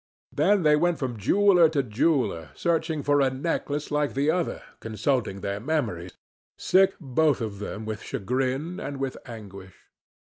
Then they went from jeweler to jeweler, searching for a necklace like the other, consulting their memories, sick both of them with chagrin and with anguish.